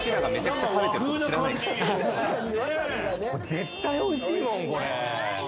絶対おいしいもんこれ。